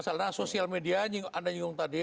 masalahnya sosial media anda nyunggung tadi